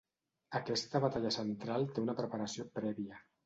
Aquesta batalla central té una preparació prèvia.